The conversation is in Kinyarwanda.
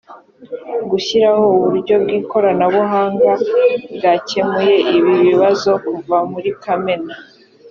gushyiraho uburyo bw ‘ikoranabuhanga byakemuye ibi bibazo kuva muri kamena.